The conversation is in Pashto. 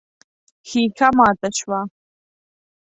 ښيښه ماته شوه.